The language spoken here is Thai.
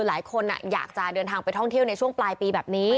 หลายคนอยากจะเดินทางไปท่องเที่ยวในช่วงปลายปีแบบนี้